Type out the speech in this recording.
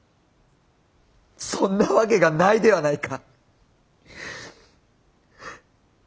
そんなわけがないではないか！